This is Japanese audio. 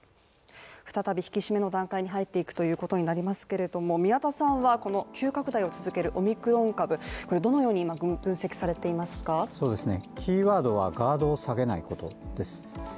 再び引き締めの段階に入っていくということになりますけれども宮田さんはこの急拡大を続けるオミクロン株、これをどのように分析されていますかキーワードはガードを下げないことです。